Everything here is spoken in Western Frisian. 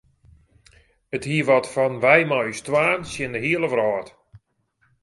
It hie wat fan wy mei ús twaen tsjin de hiele wrâld.